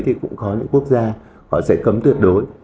thì cũng có những quốc gia họ sẽ cấm tuyệt đối